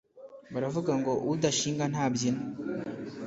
baravuga ngo udashinga ntabyina